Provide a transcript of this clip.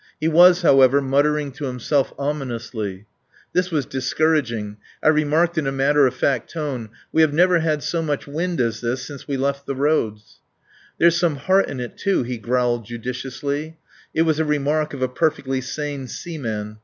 He was, however, muttering to himself ominously. This was discouraging. I remarked in a matter of fact tone: "We have never had so much wind as this since we left the roads." "There's some heart in it, too," he growled judiciously. It was a remark of a perfectly sane seaman.